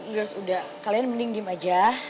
lears udah kalian mending diem aja